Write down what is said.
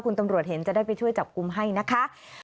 คุณตำรวจเห็นจะได้ไปช่วยจับกลุ่มให้นะคะ